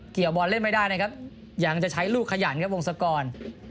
บอลเล่นไม่ได้นะครับยังจะใช้ลูกขยันครับวงศกร